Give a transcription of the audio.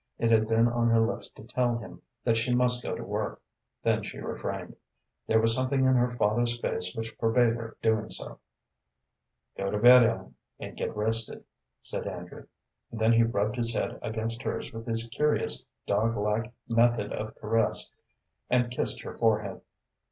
It had been on her lips to tell him that she must go to work, then she refrained. There was something in her father's face which forbade her doing so. "Go to bed, Ellen, and get rested," said Andrew. Then he rubbed his head against hers with his curious, dog like method of caress, and kissed her forehead.